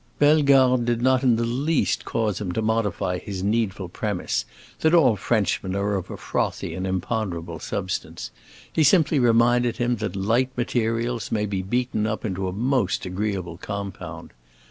Bellegarde did not in the least cause him to modify his needful premise that all Frenchmen are of a frothy and imponderable substance; he simply reminded him that light materials may be beaten up into a most agreeable compound.